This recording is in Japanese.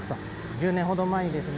１０年ほど前にですね